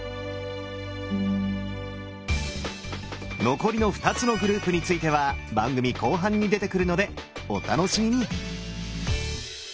残りの２つのグループについては番組後半に出てくるのでお楽しみに！